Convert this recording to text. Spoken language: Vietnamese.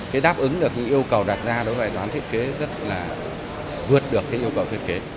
cái đáp ứng được những yêu cầu đặt ra đối với đoàn thiết kế rất là vượt được cái yêu cầu thiết kế